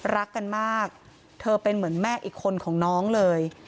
รักกันมากเธอเป็นเหมือนแม่อีกคนของน้องเลย